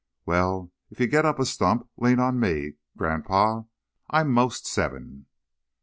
"Well, if you get up a stump, lean on me, Grandpa, I'm 'most seven."